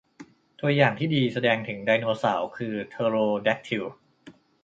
ตัวอย่างที่ดีที่แสดงถึงไดโนเสาร์คือเทอโรแด็กทิล